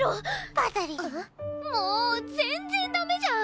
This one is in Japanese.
あ。も全然ダメじゃん！